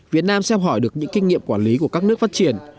việt nam xem hỏi được những kinh nghiệm quản lý của các nước phát triển